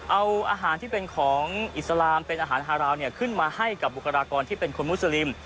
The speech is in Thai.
เอาอาหารที่เป็นของอิสลามเป็นอาหารฮาราวเนี่ยขึ้นมาให้กับบุคลากรที่เป็นคนมุสลิม